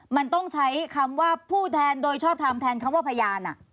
มันต้องใช้คำว่าผู้แทนโดยชอบทำแทนคำว่าพยาน